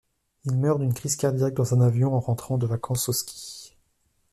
Il meurt d'une crise cardiaque dans un avion en rentrant de vacances au ski.